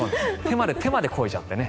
手までこいじゃってね。